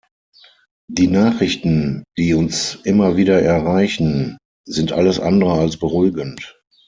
Die Nachrichten, die uns immer wieder erreichen, sind alles andere als beruhigend.